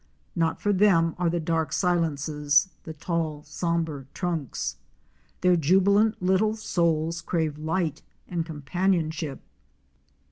Not for them are the dark silences, the tall sombre trunks. Their jubilant little souls crave light and companionship.